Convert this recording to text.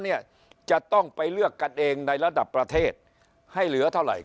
เนี่ยจะต้องไปเลือกกันเองในระดับประเทศให้เหลือเท่าไหร่